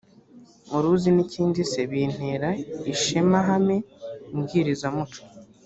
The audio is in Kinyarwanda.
wari uzi n ikindi se bintera ishemahame mbwirizamuco